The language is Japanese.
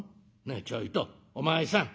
ねえちょいとお前さん。